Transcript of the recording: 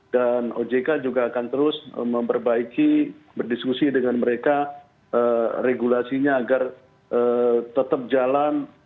dan ojk juga akan terus memperbaiki berdiskusi dengan mereka regulasinya agar tetap jalan